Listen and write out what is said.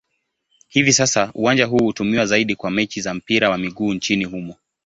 Hivi sasa uwanja huu hutumiwa zaidi kwa mechi za mpira wa miguu nchini humo.